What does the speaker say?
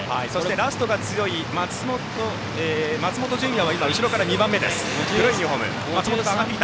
ラストが強い松本純弥は後ろから２番目。